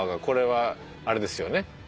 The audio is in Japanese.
これはあれですよね